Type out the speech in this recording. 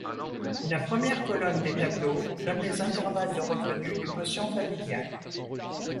La première colonne des tableaux donne les intervalles de revenus du quotient familial.